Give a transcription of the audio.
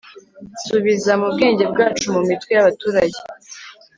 Subiza mubwenge bwacu mumitwe yabaturage